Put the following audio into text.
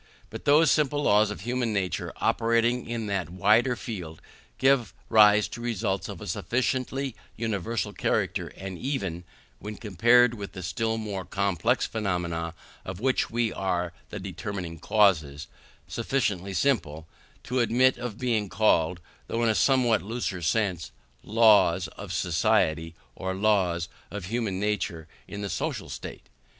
But those simple laws of human nature, operating in that wider field, give rise to results of a sufficiently universal character, and even (when compared with the still more complex phenomena of which they are the determining causes) sufficiently simple, to admit of being called, though in a somewhat looser sense, laws of society, or laws of human nature in the social state.